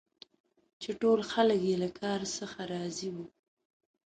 چي ټول خلک یې له کار څخه راضي وه.